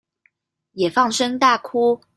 也放聲大哭